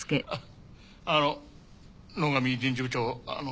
あの野上人事部長。